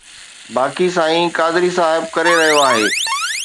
باقي سائين قادري صاحب ڪري رهيو آهي.